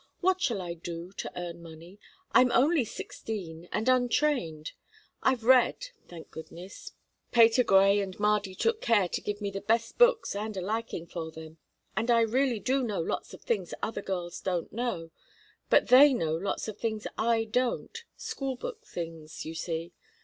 "What shall I do to earn money? I'm only sixteen, and untrained. I've read thank goodness, Patergrey and Mardy took care to give me the best books and a liking for them, and I really do know lots of things other girls don't know, but they know lots of things I don't schoolbook things, you see.